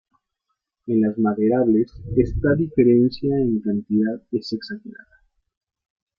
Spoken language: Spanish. En las maderables esta diferencia en cantidad es exagerada.